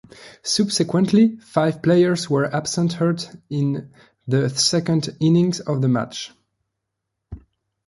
Subsequently, five players were absent hurt in the second innings of the match.